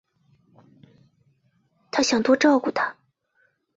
她想多照顾她